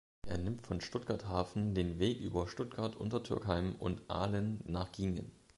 Er nimmt von Stuttgart Hafen den Weg über Stuttgart-Untertürkheim und Aalen nach Giengen.